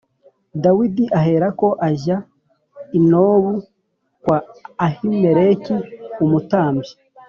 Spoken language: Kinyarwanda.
Dawidi aherako ajya i Nobu kwa Ahimeleki umutambyi.